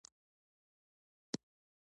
کوښښ کوئ، چي ژوند تل پیغام در ته ولري.